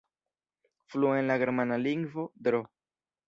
Flua en la germana lingvo, Dro.